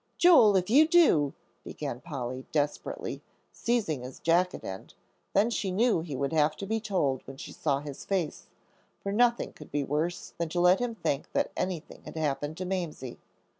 "Joel, if you do," began Polly, desperately, seizing his jacket end; then she knew he would have to be told when she saw his face, for nothing could be worse than to let him think anything had happened to Mamsie.